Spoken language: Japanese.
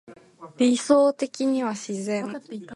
理想的には自然